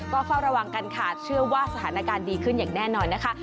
ก็เฝ้าระวังกันค่ะเชื่อว่าสถานการณ์ดีขึ้นอย่างแน่นอนนะคะ